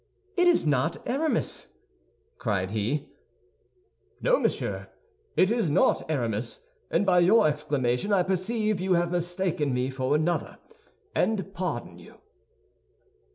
"It is not Aramis!" cried he. "No, monsieur, it is not Aramis; and by your exclamation I perceive you have mistaken me for another, and pardon you."